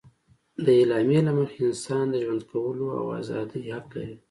د اعلامیې له مخې انسان د ژوند کولو او ازادي حق لري.